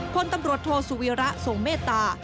คนตำรวจโทษวิระสงเมตตา